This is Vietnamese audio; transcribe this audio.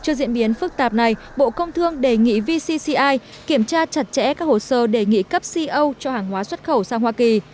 trước diễn biến phức tạp này bộ công thương đề nghị vcci kiểm tra chặt chẽ các hồ sơ đề nghị cấp co cho hàng hóa xuất khẩu sang hoa kỳ